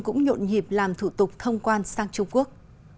cũng nhộn nhịp làm thủ tục thông quan sang trung quốc